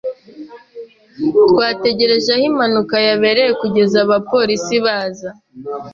Twategereje aho impanuka yabereye kugeza abapolisi baza.